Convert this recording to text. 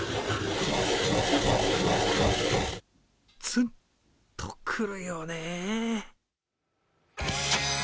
ツッとくるよねえ。